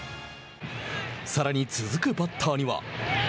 さらに、続くバッターには。